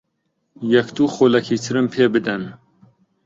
یەک دوو خولەکی ترم پێ بدەن.